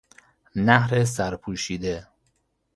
نهر سر پوشیده